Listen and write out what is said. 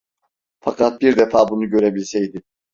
Fakat bir defa bunu görebilseydi…